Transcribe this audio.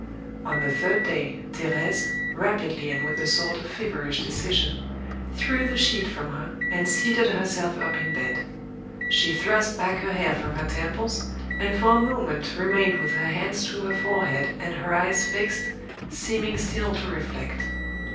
On the third day, Thérèse, rapidly and with a sort of feverish decision, threw the sheet from her, and seated herself up in bed. She thrust back her hair from her temples, and for a moment remained with her hands to her forehead and her eyes fixed, seeming still to reflect.